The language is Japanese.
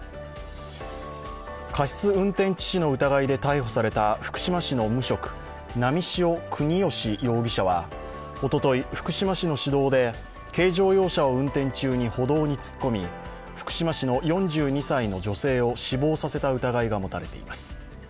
過失運転致死の疑いで逮捕された福島市の無職・波汐國芳容疑者はおととい、福島市の市道で軽乗用車を運転中に歩道に突っ込み福島市の４２歳の女性を死亡させた疑いが持たれています。